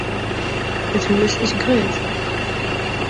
It hûs is grut.